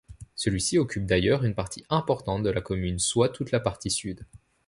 Celui-ci occupe d'ailleurs une partie importante de la commune soit toute la partie sud.